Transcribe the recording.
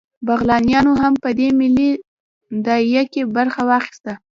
بغلانیانو هم په دې ملي داعیه کې برخه واخیسته